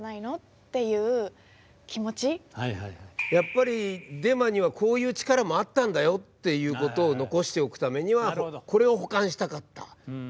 やっぱりデマにはこういう力もあったんだよっていうことを残しておくためにはこれを保管したかった。